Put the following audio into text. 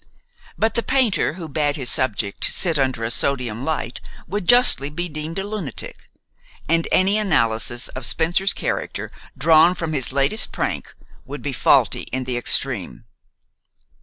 But the painter who bade his subject sit under a sodium light would justly be deemed a lunatic, and any analysis of Spencer's character drawn from his latest prank would be faulty in the extreme.